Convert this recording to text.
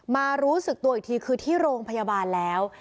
รู้สึกตัวอีกทีคือที่โรงพยาบาลแล้ว